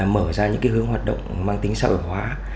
mở ra những hướng hoạt động mang tính sở hữu hóa